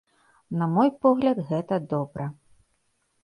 На мой погляд, гэта добра.